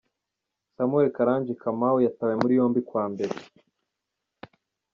Samuel Karanja Kamau yatawe muri yombi kwa Mbere.